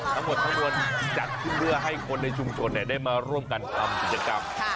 ทั้งหมดทั้งมวลจัดขึ้นเพื่อให้คนในชุมชนได้มาร่วมกันทำกิจกรรม